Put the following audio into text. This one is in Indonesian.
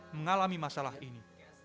mengalami masalah ini